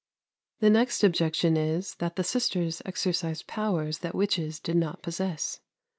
The next objection is, that the sisters exercise powers that witches did not possess.